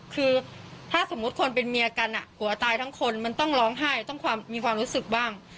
คือถ้าสมมุติคนเป็นเมียกันผัวตายทั้งคนมันต้องร้องไห้ต้องมีความรู้สึกบ้าง